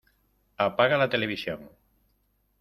¡Apaga la televisión!